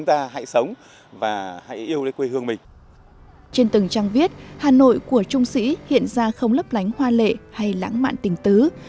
trên từng trang viết hà nội của trung sĩ hiện ra không lấp lánh hoa lệ hay lãng mạn tình tứ